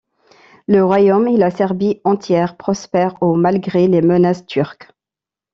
Le royaume et la Serbie entière prospère au malgré les menaces turques.